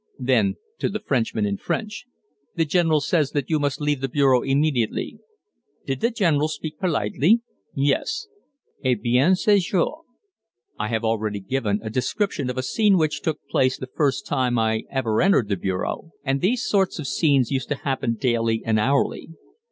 Then to the Frenchman in French: "The General says that you must leave the bureau immediately." "Did the General speak politely?" "Yes." "Eh bien je sors." I have already given a description of a scene which took place the first time I ever entered the bureau and these sort of scenes used to happen daily and hourly.